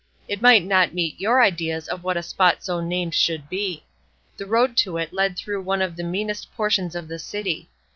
It might not meet your ideas of what a spot so named should be. The road to it led through one of the meanest portions of the city.